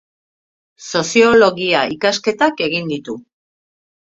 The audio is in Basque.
Soziologia ikasketak egin ditu.